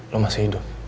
lo masih hidup